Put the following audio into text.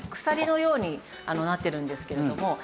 鎖のようになってるんですけれども。